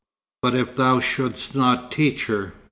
"But if thou shouldst not teach her?"